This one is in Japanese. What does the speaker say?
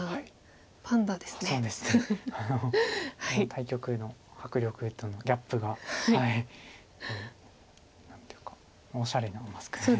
対局の迫力とのギャップが何ていうかおしゃれなマスクですね。